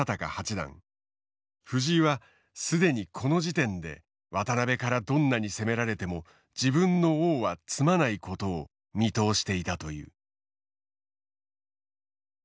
藤井は既にこの時点で渡辺からどんなに攻められても自分の王は詰まないことを見通していたという。